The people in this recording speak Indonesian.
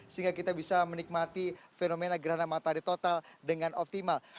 sehingga kita bisa menikmati fenomena gerhana matahari total dengan optimal